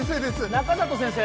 中里先生